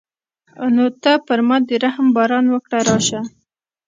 نو ته پر ما د رحم باران وکړه راشه.